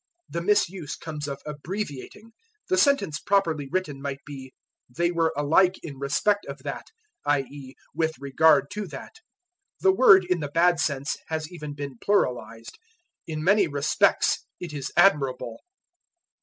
The misuse comes of abbreviating: the sentence properly written might be, They were alike in respect of that i.e., with regard to that. The word in the bad sense has even been pluralized: "In many respects it is admirable."